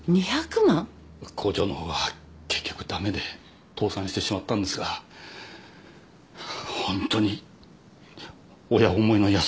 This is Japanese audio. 工場の方は結局駄目で倒産してしまったんですがホントに親思いの優しい子でした。